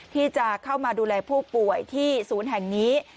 ที่จะเข้ามาดูแลผู้ป่วยที่ศูนย์แห่งนี้